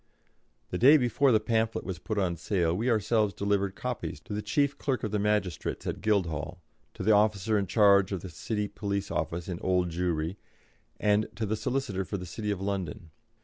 The day before the pamphlet was put on sale we ourselves delivered copies to the Chief Clerk of the Magistrates at Guildhall, to the officer in charge at the City Police Office in Old Jewry, and to the Solicitor for the City of London.